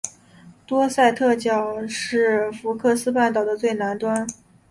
多塞特角是福克斯半岛的最南端。